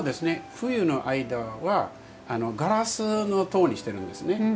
冬の間はガラスの戸にしてるんですね。